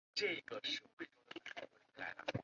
它的总部位于雅典。